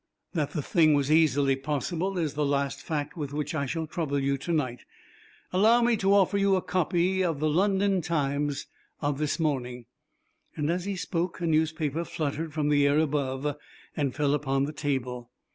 That the thing was easily possible is the last fact with which I shall trouble you to night. Allow me to offer you a copy of the 'London Times' of this morning." As he spoke, a newspaper fluttered from the air above, and fell upon the table.